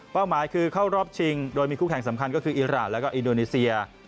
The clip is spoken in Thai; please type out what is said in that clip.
หมายคือเข้ารอบชิงโดยมีคู่แข่งสำคัญก็คืออิราณแล้วก็อินโดนีเซีย